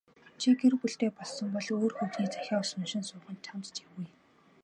Чи гэр бүлтэй болсон бол өөр хүүхний захиа уншин суух нь чамд ч эвгүй.